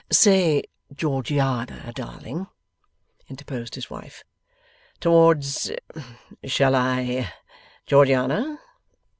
'Say Georgiana, darling,' interposed his wife. 'Towards shall I? Georgiana.